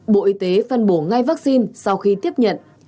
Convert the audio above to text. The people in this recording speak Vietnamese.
bộ y tế phân bổ ngay vaccine sau khi tiếp nhận